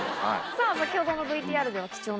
さぁ先ほどのＶＴＲでは。